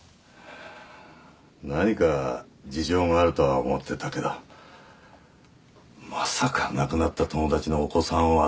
何か事情があるとは思ってたけどまさか亡くなった友達のお子さんを預かっているとはね。